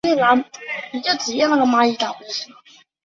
距离克利夫兰约一小时半的车程。